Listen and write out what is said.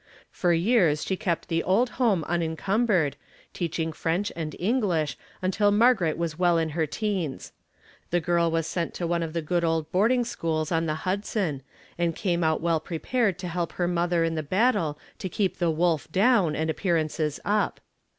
For years she kept the old home unencumbered, teaching French and English until Margaret was well in her teens. The girl was sent to one of the good old boarding schools on the Hudson and came out well prepared to help her mother in the battle to keep the wolf down and appearances up.